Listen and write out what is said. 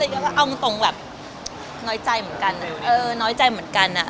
เราก็เอาตรงแบบน้อยใจเหมือนกันน้อยใจเหมือนกัน